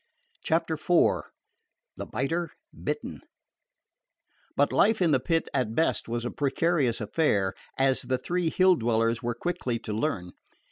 CHAPTER IV THE BITER BITTEN But life in the Pit at best was a precarious affair, as the three Hill dwellers were quickly to learn.